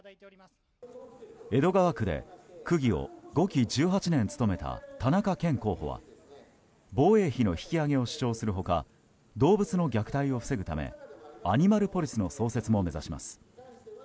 江戸川区で区議を５期１８年務めた田中健候補は防衛費の引き上げを主張する他動物の虐待を防ぐためアニマルポリスの創設も目指します。